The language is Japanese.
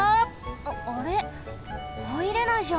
ああれ？はいれないじゃん！